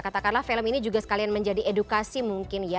katakanlah film ini juga sekalian menjadi edukasi mungkin ya